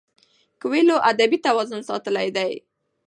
کویلیو ادبي توازن ساتلی دی.